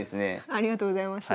ありがとうございます。